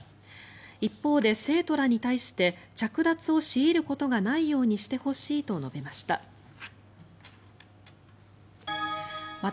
一方で生徒らに対して着脱を強いることがないようにしてほしいと述べました。